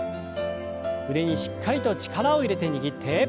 腕にしっかりと力を入れて握って。